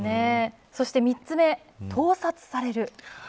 そして、３つ目、盗撮される。